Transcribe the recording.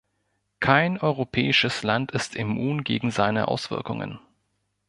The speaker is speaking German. Kein europäisches Land ist immun gegen seine Auswirkungen.